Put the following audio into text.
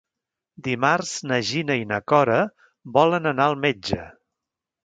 Dimarts na Gina i na Cora volen anar al metge.